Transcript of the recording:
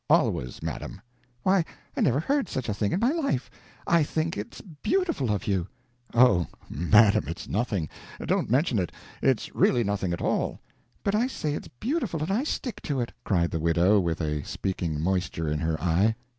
"Always, madam." "Why, I never heard such a thing in my life! I think it's beautiful of you." "Oh, madam, it's nothing, don't mention it, it's really nothing at all." "But I say it's beautiful, and I stick to it!" cried the widow, with a speaking moisture in her eye.